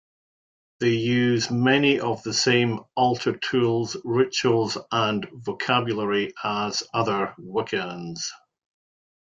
They use many of the same altar tools, rituals, and vocabulary as other Wiccans.